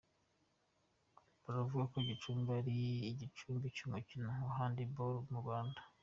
Baravuga ko Gicumbi ari igicumbi cy’umukino wa handi bolo mu Rwanda.